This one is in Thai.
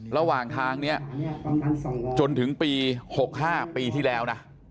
ระหว่างทางนี้จนถึงปี๖๕ปีที่แล้วนะ